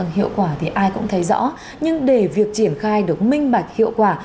hiệu quả thì ai cũng thấy rõ nhưng để việc triển khai được minh bạch hiệu quả